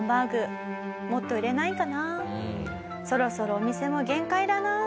「そろそろお店も限界だな」